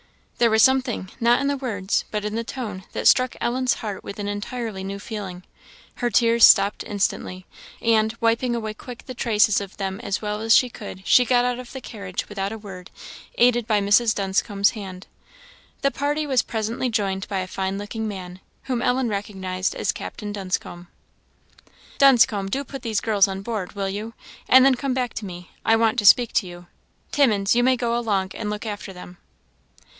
There was something, not in the words, but in the tone, that struck Ellen's heart with an entirely new feeling. Her tears stopped instantly, and, wiping away quick the traces of them as well as she could, she got out of the carriage without a word, aided by Mrs. Dunscombe's hand. The party was presently joined by a fine looking man, whom Ellen recognised as Captain Dunscombe. "Dunscombe, do put these girls on board, will you? and then come back to me; I want to speak to you. Timmins, you may go along and look after them."